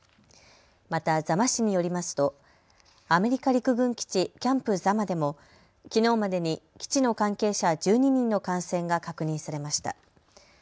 また、座間市によりますとアメリカ陸軍基地キャンプ座間でもきのうまでに基地の関係者１２人の感染が確認されました。